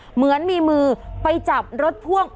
เหมือนมีมือไปจับรถพ่วง